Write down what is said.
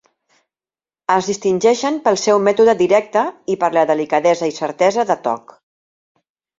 Es distingeixen pel seu mètode directe i per la delicadesa i certesa de toc.